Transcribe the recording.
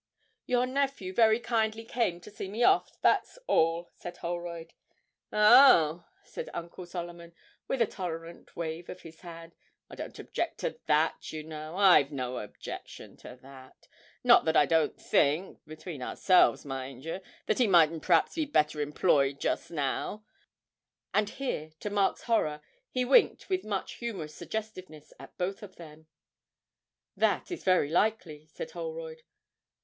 'Your nephew very kindly came to see me off, that's all,' said Holroyd. 'Oh,' said Uncle Solomon, with a tolerant wave of his hand, 'I don't object to that, yer know, I've no objections to that not that I don't think (between ourselves, mind yer) that he mightn't p'raps he better employed just now;' and here, to Mark's horror, he winked with much humorous suggestiveness at both of them. 'That is very likely,' said Holroyd.